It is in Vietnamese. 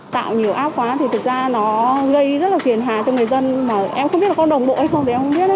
tạo nhiều áp quá thì thực ra nó gây rất là phiền hà cho người dân mà em không biết là con đồng đội không thì em không biết đấy